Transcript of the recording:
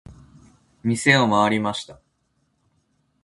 店を回りました。